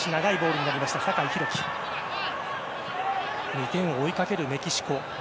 ２点を追いかけるメキシコ。